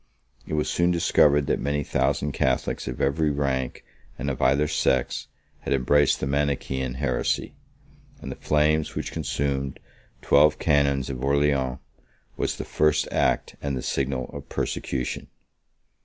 28 It was soon discovered, that many thousand Catholics of every rank, and of either sex, had embraced the Manichaean heresy; and the flames which consumed twelve canons of Orleans was the first act and signal of persecution.